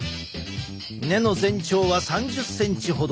根の全長は３０ｃｍほど。